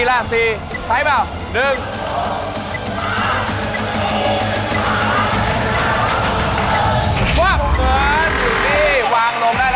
๔ล่ะ๔ใช้เปล่า